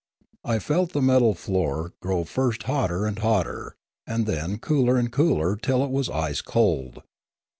I felt the metal floor grow first hotter and hotter, and then cooler and cooler till it was ice cold.